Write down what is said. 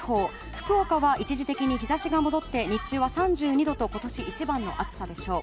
福岡は一時的に日差しが戻って日中は３２度と今年一番の暑さでしょう。